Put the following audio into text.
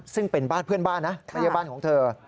ซึ่งเป็นบ้านเพื่อนบ้านนะไม่ใช่บ้านของเธอ